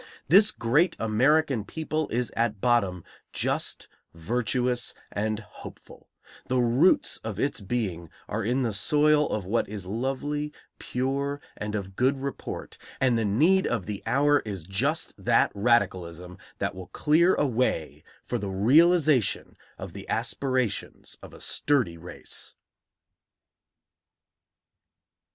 This great American people is at bottom just, virtuous, and hopeful; the roots of its being are in the soil of what is lovely, pure, and of good report, and the need of the hour is just that radicalism that will clear a way for the realization of the aspirations of a sturdy race.